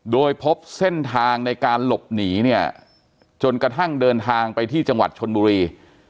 โดยพบเส้นทางในการหลบหนีเนี่ยจนกระทั่งเดินทางไปที่จังหวัดชนบุรี